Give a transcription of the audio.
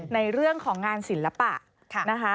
ในเรื่องของงานศิลปะนะคะ